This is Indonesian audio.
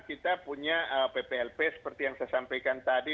kita punya pplp seperti yang saya sampaikan tadi